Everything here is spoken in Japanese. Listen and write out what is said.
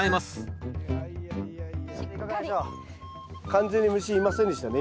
完全に虫いませんでしたね